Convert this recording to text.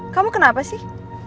kamu kenapa sih